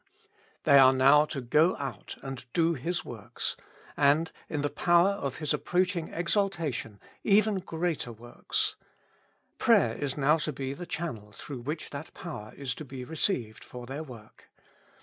150 With Christ in the School of Prayer. THey are now to go out and do His works, and, in the power of His approaching exaltation, even greater works: prayer is now to be the channel through which that power is to be received for their work.